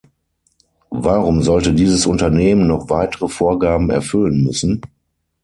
Warum sollte dieses Unternehmen noch weitere Vorgaben erfüllen müssen?